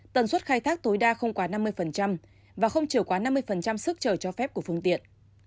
tần suất khai thác tối đa không quá năm mươi và không trở quá năm mươi sức chờ cho phép của phương tiện